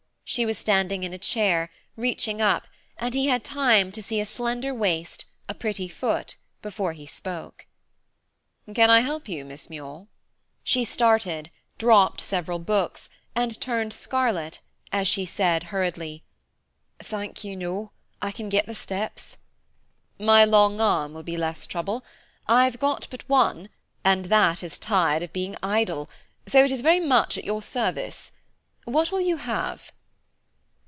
She was standing in a chair, reaching up, and he had time to see a slender waist, a pretty foot, before he spoke. "Can I help you, Miss Muir?" She started, dropped several books, and turned scarlet, as she said hurriedly, "Thank you, no; I can get the steps." "My long arm will be less trouble. I've got but one, and that is tired of being idle, so it is very much at your service. What will you have?"